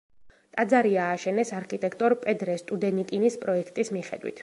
ტაძარი ააშენეს არქიტექტორ პეტრე სტუდენიკინის პროექტის მიხედვით.